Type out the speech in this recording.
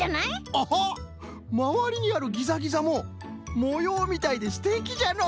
アハまわりにあるギザギザももようみたいですてきじゃのう。